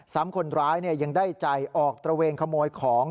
ซ้ำคนร้ายยังได้จ่ายออกตระเวงขโมยของ